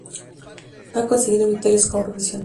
No ha conseguido victorias como profesional.